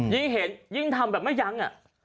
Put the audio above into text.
ยิ่งเห็นยิ่งทำแบบไม่ยั้ง